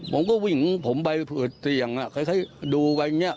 เขาก็วิ่งผมไปเปิดเตียงคล้ายดูไปอย่างเงี้ย